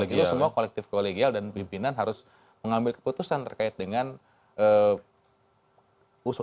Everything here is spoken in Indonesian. itu semua kolektif kolegial dan pimpinan harus mengambil keputusan terkait dengan usulan